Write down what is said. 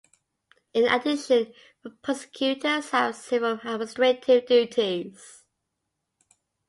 In addition, prosecutors have several administrative duties.